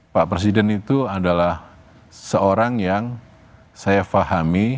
pak presiden itu adalah seorang yang saya fahami